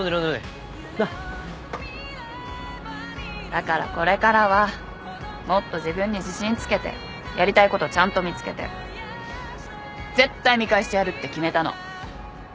だからこれからはもっと自分に自信つけてやりたいことちゃんと見つけて絶対見返してやるって決めたの。